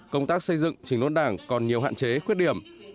công tác xây dựng trình đốn đảng còn nhiều hạn chế khuyết điểm